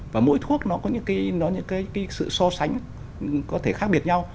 và mỗi thuốc nó có những cái sự so sánh có thể khác biệt nhau